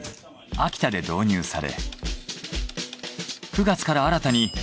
秋田で導入され。